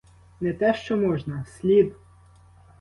Не те що можна, — слід!